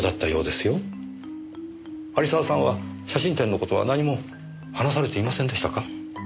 有沢さんは写真展の事は何も話されていませんでしたか？